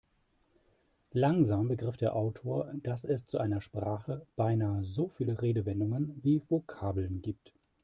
Langsam begriff der Autor, dass es zu einer Sprache beinahe so viele Redewendungen wie Vokabeln gibt.